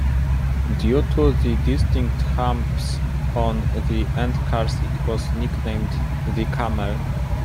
Due to the distinct humps on the endcars it was nicknamed "the camel".